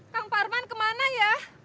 kang parman kemana ya